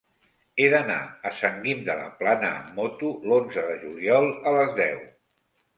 He d'anar a Sant Guim de la Plana amb moto l'onze de juliol a les deu.